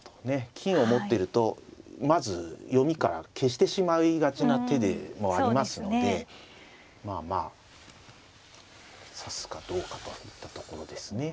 金を持っているとまず読みから消してしまいがちな手でもありますのでまあまあ指すかどうかといったところですね。